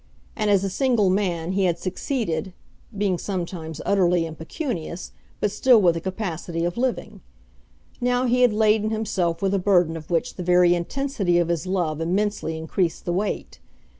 And as a single man he had succeeded, being sometimes utterly impecunious, but still with a capacity of living. Now he had laden himself with a burden of which the very intensity of his love immensely increased the weight.